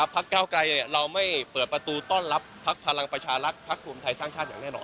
พักเก้าไกรเราไม่เปิดประตูต้อนรับพักพลังประชารักษ์พักรวมไทยสร้างชาติอย่างแน่นอน